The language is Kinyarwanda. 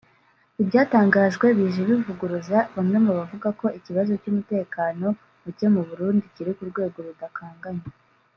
Ibyatangajwe bije bivuguruza bamwe mu bavuga ko ikibazo cy’umutekano mucye mu Burundi kiri ku rwego rudakanganye